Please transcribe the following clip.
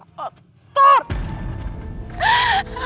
opa orang lain dalam dunia